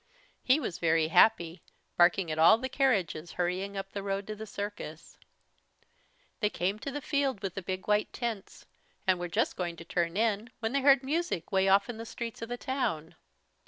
He was very happy, barking at all the carriages hurrying up the road to the circus. They came to the field with the big white tents and were just going to turn in, when they heard music way off in the streets of the town.